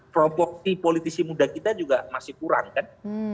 proporsi politisi muda kita juga masih kurang kan